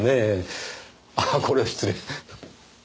ああこれは失礼。